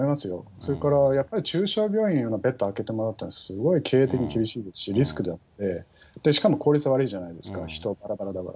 それからやっぱり中症病院のベッドを空けてもらうということは、すごい経営的に厳しいですし、リスクがあって、しかも効率悪いじゃないですか、人がばらばらだから。